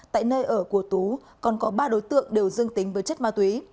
tại nơi ở của tú còn có ba đối tượng đều dương tính với chất ma túy